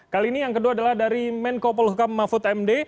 kali ini yang kedua adalah dari menko polhukam mahfud md